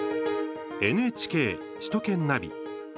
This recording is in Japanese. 「ＮＨＫ首都圏ナビ」。